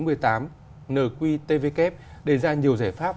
nqtvk đề ra nhiều giải pháp